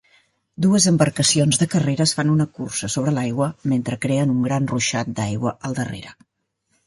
Dues embarcacions de carreres fan una cursa sobre l'aigua mentre creen un gran ruixat d'aigua al darrere